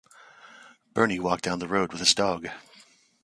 Bernie walked down the road with his dog.